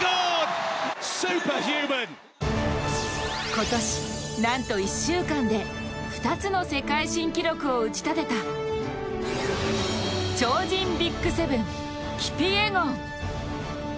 今年、なんと１週間で２つの世界新記録を打ち立てた超人ＢＩＧ７、キピエゴン。